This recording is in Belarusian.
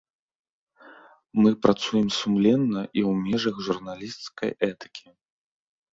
Мы працуем сумленна і ў межах журналісцкай этыкі.